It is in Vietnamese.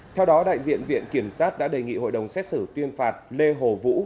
theo đó đại diện viện kiểm sát đã đề nghị hội đồng xét xử tuyên phạt lê hồ vũ